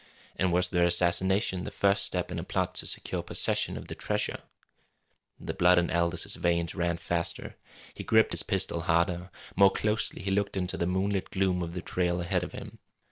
And was their assassination the first step in a plot to secure possession of the treasure? The blood in Aldous' veins ran faster. He gripped his pistol harder. More closely he looked into the moonlit gloom of the trail ahead of him.